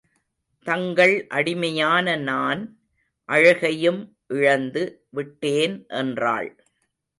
தங்கள் அடிமையான நான், அழகையும் இழந்து விட்டேன்! என்றாள்.